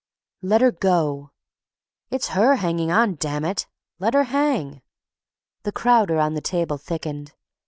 "Let her go!" "It's her hanging on, damn it! Let her hang!" The crowd around the table thickened.